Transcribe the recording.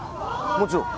もちろん。